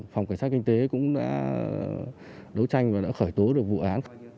phòng cảnh sát kinh tế cũng đã đấu tranh và đã khởi tố được vụ án